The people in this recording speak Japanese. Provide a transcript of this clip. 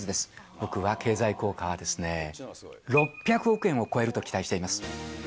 僕は経済効果は、６００億円を超えると期待しています。